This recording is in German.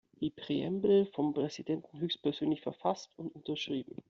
Die Präambel ist vom Präsidenten höchstpersönlich verfasst und unterschrieben.